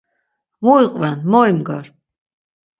Mu iqven mo imgar.